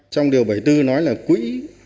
trong điều bảy mươi bốn nói là quỹ